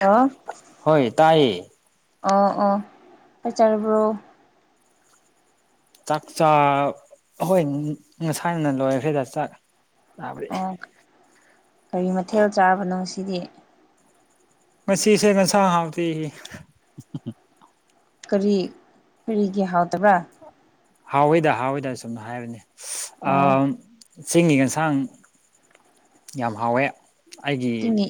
hello ꯍꯣꯏ ꯇꯥꯏꯌꯦ ꯑꯣ ꯑꯣ ꯆꯥꯛꯆꯔꯕ꯭ꯔꯣ ꯆꯥꯛ ꯆꯥ ꯍꯣꯏ ꯉꯁꯥꯏꯅ ꯂꯣꯏꯈ꯭ꯌꯦꯗ ꯆꯥꯛ ꯆꯥꯕꯗꯤ ꯑꯣ ꯀꯔꯤ ꯃꯊꯦꯜ ꯆꯥꯕꯅꯣ ꯉꯁꯤꯗꯤ ꯉꯁꯤꯁꯦ ꯌꯦꯟꯁꯥꯡ ꯍꯥꯎꯇꯤ ꯀꯔꯤ ꯀꯔꯤꯒꯤ ꯍꯥꯎꯇꯕ꯭ꯔꯥ ꯍꯥꯎꯋꯤꯗ ꯍꯥꯎꯋꯤꯗ ꯁꯨꯝ ꯍꯥꯏꯕꯅꯤ ꯑꯣ ꯑꯥꯝ ꯆꯤꯡꯒꯤ ꯌꯦꯟꯁꯥꯡ ꯌꯥꯝ ꯍꯥꯎꯋꯦ ꯑꯩꯒꯤ ꯆꯤꯡꯒꯤ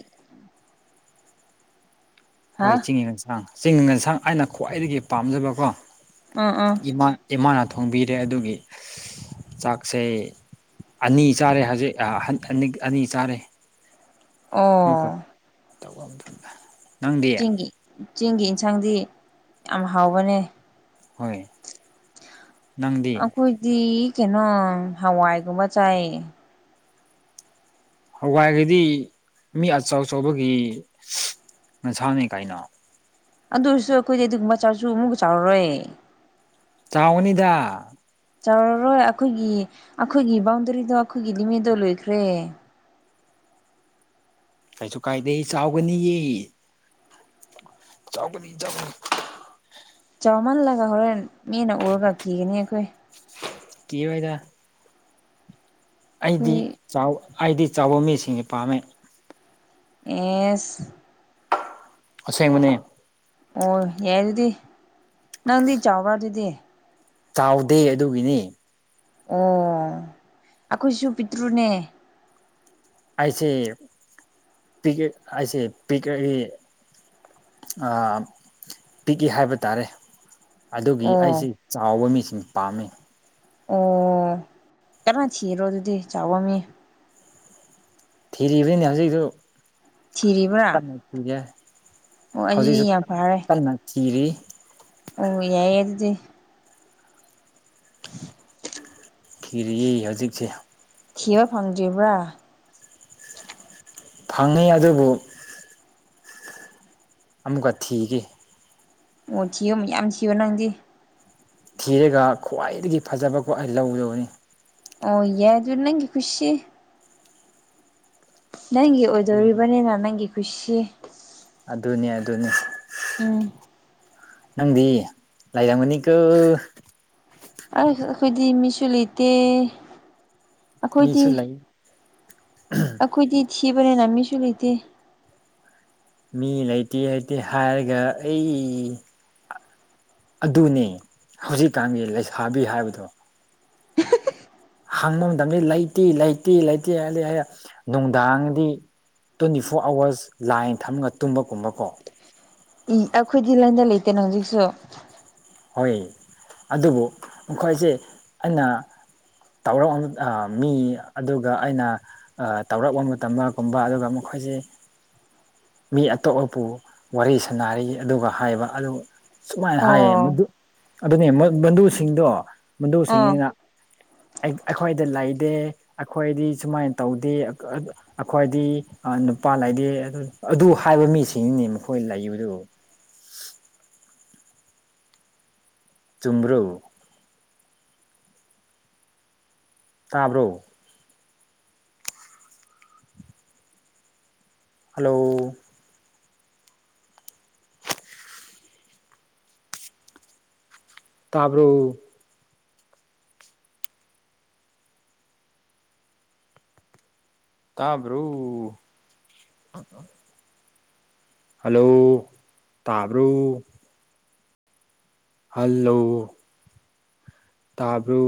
ꯍꯥ ꯍꯣꯏ ꯆꯤꯡꯒꯤ ꯌꯦꯟꯁꯥꯡ ꯆꯤꯡ ꯌꯦꯟꯁꯥꯡ ꯍꯥꯏꯅ ꯈ꯭ꯋꯥꯏꯗꯒꯤ ꯄꯥꯝꯖꯕꯀꯣ ꯑꯥ ꯑꯥ ꯏꯃꯥ ꯏꯃꯥꯅ ꯊꯣꯡꯕꯤꯔꯦ ꯑꯗꯨꯒꯤ ꯆꯥꯛꯁꯦ ꯑꯅꯤ ꯆꯥꯔꯦ ꯍꯧꯖꯤꯛ ꯑ ꯑꯅꯤ ꯑꯅꯤ ꯆꯥꯔꯦ ꯑꯣ ꯃꯈꯣꯏ ꯇꯧꯕ ꯃꯇꯨꯡꯗ ꯆꯤꯡꯒꯤ ꯆꯤꯡꯒꯤ ꯏꯟꯁꯥꯡꯗꯤ ꯌꯥꯝ ꯍꯥꯎꯕꯅꯦ ꯍꯣꯏ ꯅꯪꯗꯤ ꯑꯈꯣꯏꯗꯤ ꯀꯩꯅꯣ ꯍꯋꯥꯏꯒꯨꯝꯕ ꯆꯥꯏꯌꯦ ꯍꯋꯥꯏꯒꯗꯤ ꯃꯤ ꯑꯆꯧ ꯑꯆꯧꯕꯒꯤ ꯍꯦꯟꯁꯥꯡꯅꯦ ꯀꯩꯅꯣ ꯑꯗꯨ ꯑꯣꯏꯔꯁꯨ ꯑꯈꯣꯏꯗꯤ ꯑꯗꯨꯒꯨꯝꯕ ꯆꯥꯔꯁꯨ ꯑꯃꯨꯛꯀ ꯆꯥꯎꯔꯔꯣꯏꯌꯦ ꯆꯥꯎꯒꯅꯤꯗ ꯆꯥꯎꯔꯔꯣꯏ ꯑꯈꯣꯏꯒꯤ ꯑꯈꯣꯏꯒꯤ ꯕꯥꯎꯟꯗꯔꯤꯗꯣ ꯑꯈꯣꯏꯒꯤ ꯂꯤꯃꯤꯠꯗꯣ ꯂꯣꯏꯈ꯭ꯔꯦ ꯀꯩꯁꯨ ꯀꯥꯏꯗꯦ ꯆꯥꯎꯒꯅꯤꯌꯦ ꯆꯥꯎꯒꯅꯤ ꯆꯒꯅꯤ ꯆꯥꯎꯃꯜꯂꯒ ꯍꯣꯔꯦꯟ ꯃꯤꯅ ꯎꯔꯒ ꯀꯤꯒꯅꯤ ꯑꯩꯈꯣꯏ ꯀꯤꯔꯣꯏꯗ ꯑꯩꯗꯤ ꯑꯩꯈꯣꯏ ꯆꯥꯎ ꯑꯩꯗꯤ ꯆꯥꯎꯕ ꯃꯤꯁꯤꯡꯒꯤ ꯄꯥꯝꯃꯦ ꯑꯦꯁ ꯑꯁꯦꯡꯕꯅꯦ ꯑꯣ ꯌꯥꯏ ꯑꯗꯨꯗꯤ ꯅꯪꯗꯤ ꯆꯥꯎꯕ꯭ꯔꯥ ꯑꯗꯨꯗꯤ ꯆꯥꯎꯗꯦ ꯑꯗꯨꯒꯤꯅꯤ ꯑꯣ ꯑꯩꯈꯣꯏꯁꯨ ꯄꯤꯛꯇ꯭ꯔꯨꯅꯦ ꯑꯩꯁꯦ [unintelligible] ꯑꯩꯁꯦ ꯄꯤ [unintelligible] ꯑꯥ ꯄꯤꯛꯏ ꯍꯥꯏꯕ ꯇꯥꯔꯦ ꯑꯗꯨꯒꯤ ꯑꯣ ꯑꯩꯁꯤ ꯆꯥꯎꯕ ꯃꯤꯁꯤꯡ ꯄꯥꯝꯃꯤ ꯑꯣ ꯀꯟꯅ ꯊꯤꯔꯣ ꯑꯗꯨꯗꯤ ꯆꯥꯎꯕ ꯃꯤ ꯊꯤꯔꯤꯕꯅꯤꯅꯦ ꯍꯧꯖꯤꯛꯁꯨ ꯊꯤꯔꯤꯕ꯭ꯔꯥ ꯀꯟꯅ ꯊꯤꯒꯦ ꯑꯣ ꯍꯧꯖꯤꯛꯁꯨ ꯑꯗꯨꯗꯤ ꯌꯥꯝ ꯐꯔꯦ ꯀꯟꯅ ꯊꯤꯔꯤ ꯑꯣ ꯌꯥꯏꯌꯦ ꯑꯗꯨꯗꯤ [unintelligible] ꯊꯤꯔꯤꯌꯦ ꯍꯧꯖꯤꯛꯁꯦ ꯊꯤꯕ ꯐꯪꯗ꯭ꯔꯤꯕ꯭ꯔꯥ ꯐꯪꯉꯦ ꯑꯗꯨꯕꯨ ꯑꯃꯨꯛꯀ ꯊꯤꯒꯦ ꯑꯣ ꯊꯤꯌꯨ ꯃꯌꯥꯝ ꯊꯤꯌꯨ ꯅꯪꯗꯤ ꯊꯤꯔꯒ ꯈ꯭ꯋꯥꯏꯗꯒꯤ ꯐꯖꯕꯀꯣ ꯑꯩ ꯂꯧꯌꯣꯍꯦ ꯑꯣ ꯌꯥꯏꯗꯣ ꯅꯪꯒꯤ ꯀꯨꯁꯤ ꯅꯪꯒꯤ ꯑꯣꯏꯗꯣꯔꯤꯕꯅꯤꯅ ꯅꯪꯒꯤ ꯀꯨꯁꯤ ꯑꯗꯨꯅꯦ ꯑꯗꯨꯅꯦ ꯎꯝ ꯅꯪꯗꯤ ꯂꯩꯔꯝꯒꯅꯤꯀꯨ ꯑꯁ ꯑꯈꯣꯏꯗꯤ ꯃꯤꯁꯨ ꯂꯩꯇꯦ ꯃꯤꯁꯨ ꯂꯩ ꯑꯈꯣꯏꯗꯤ ꯊꯤꯕꯅꯤꯅ ꯃꯤꯁꯨ ꯂꯩꯇꯦ ꯃꯤ ꯂꯩꯇꯦ ꯂꯩꯇꯦ ꯍꯥꯏꯔꯒ ꯑꯩ ꯑꯗꯨꯅꯦ ꯍꯧꯖꯤꯛꯀꯥꯟꯒꯤ ꯂꯩꯁꯥꯕꯤ ꯍꯥꯏꯕꯗꯣ ꯍꯪꯕ ꯃꯇꯝꯗꯤ ꯂꯩꯇꯦ ꯂꯩꯇꯦ ꯂꯩꯇꯦ ꯍꯥꯏꯗꯤ ꯍꯩꯌꯥ ꯅꯨꯡꯗꯥꯡꯗꯤ ꯇ꯭ꯋꯦꯟꯇꯤ ꯐꯣꯔ ꯑꯋꯔꯁ ꯂꯥꯏꯟ ꯊꯝꯃꯒ ꯇꯨꯝꯕ ꯀꯨꯝꯕꯀꯣ ꯏ ꯑꯩꯈꯣꯏꯗꯤ ꯂꯥꯏꯟꯗ ꯂꯩꯇꯦꯅ ꯍꯧꯖꯤꯛꯁꯨ ꯍꯣꯏ ꯑꯗꯨꯕꯨ ꯃꯈꯣꯏꯁꯦ ꯑꯩꯅ ꯇꯧꯔꯛꯑꯅꯨ ꯑ ꯃꯤ ꯑꯗꯨꯒ ꯑꯩꯅ ꯇꯧꯔꯛꯑꯣ ꯇꯝ ꯃꯒꯨꯝꯕ ꯑꯗꯨꯒ ꯃꯈꯣꯏꯁꯤ ꯃꯤ ꯑꯇꯣꯞꯑꯄꯨ ꯋꯥꯔꯤ ꯁꯥꯟꯅꯔꯤ ꯑꯗꯨꯒ ꯍꯥꯏꯕ ꯑꯗꯨ ꯁꯨꯃꯥꯏꯅ ꯍꯥꯏꯌꯦ ꯑꯣ ꯃꯗꯨ ꯑꯗꯨꯅꯦ ꯃꯗꯨꯁꯤꯡꯗꯣ ꯑꯥ ꯃꯗꯨꯁꯤꯡꯁꯤꯅ ꯑꯩ ꯑꯩꯈꯣꯏꯗ ꯂꯩꯗꯦ ꯑꯩꯈꯣꯏꯗꯤ ꯁꯨꯃꯥꯏꯅ ꯇꯧꯗꯦ ꯑꯈꯣꯏꯗꯤ ꯅꯨꯄꯥ ꯂꯩꯇꯦ ꯑꯗꯨ ꯑꯗꯨ ꯍꯥꯏꯕ ꯃꯤꯁꯤꯡꯅꯤꯅꯦ ꯃꯈꯣꯏ ꯂꯩꯕꯗꯨ ꯆꯨꯝꯕ꯭ꯔꯣ ꯇꯥꯕ꯭ꯔꯣ ꯍꯜꯂꯣ ꯇꯥꯕ꯭ꯔꯣ ꯇꯥꯕ꯭ꯔꯣ ꯍꯜꯂꯣ ꯇꯥꯕ꯭ꯔꯣ ꯍꯜꯂꯣ ꯇꯥꯕ꯭ꯔꯨ